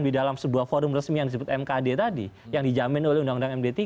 di dalam sebuah forum resmi yang disebut mkd tadi yang dijamin oleh undang undang md tiga